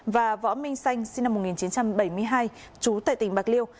và võ minh xanh sinh năm một nghìn chín trăm bảy mươi hai trú tại tỉnh bạc liêu